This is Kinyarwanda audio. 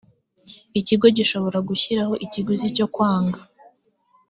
ikigo gishobora gushyiraho ikiguzi cyo kwanga